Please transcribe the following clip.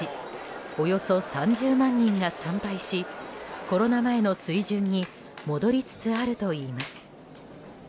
およそ３０万人が参拝しコロナ前の水準に戻りつつあるといいます。